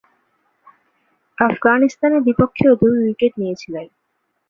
আফগানিস্তানের বিপক্ষেও দুটি উইকেট নিয়েছিলেন।